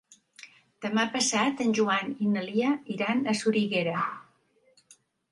Demà passat en Joan i na Lia iran a Soriguera.